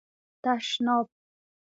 🚾 تشناب